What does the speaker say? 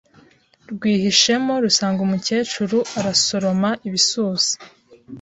rwihishemo rusanga umukecuru arasoroma ibisusa